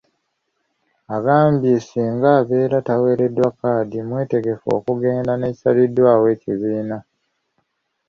Agambye singa abeera taweereddwa kkaadi, mwetegefu okugenda n'ekisaliddwawo ekibiina.